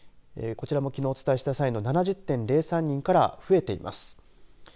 こちらもきのうお伝えした際の７０．０３人から増えています。